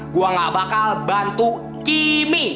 gue gak bakal bantu kimi